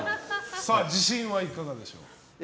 自信はいかがでしょう？